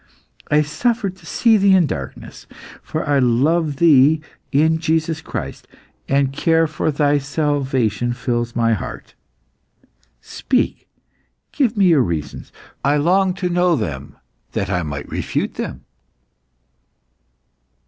I suffer to see thee in darkness, for I love thee in Jesus Christ, and care for thy salvation fills my heart. Speak! give me your reasons. I long to know them that I may refute them."